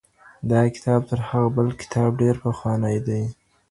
دا کتاب تر هغه بل کتاب ډېر پخوانی دی.